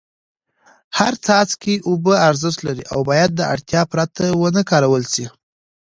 هر څاڅکی اوبه ارزښت لري او باید د اړتیا پرته ونه کارول سي.